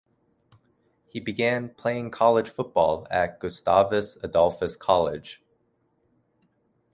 He began playing college football at Gustavus Adolphus College.